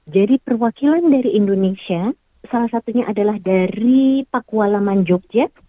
jadi perwakilan dari indonesia salah satunya adalah dari pakualaman jogja